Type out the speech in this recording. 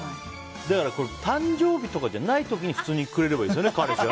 だから、誕生日とかじゃない時に普通にくれればいいですよね。